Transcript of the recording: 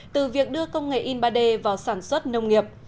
từ việc đưa công nghệ in ba d vào sản xuất nông nghiệp